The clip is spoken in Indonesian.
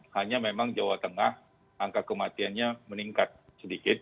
hanya memang jawa tengah angka kematiannya meningkat sedikit